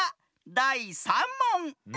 だい３もん！